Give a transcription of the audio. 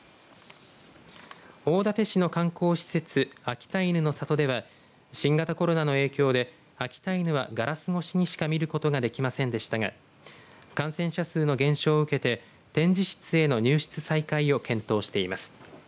大館市の観光施設秋田犬の里では新型コロナの影響で秋田犬は、ガラス越しにしか見ることができませんでしたが感染者数の減少を受けて展示室への入室再開を検討しています。